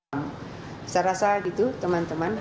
saya rasa gitu teman teman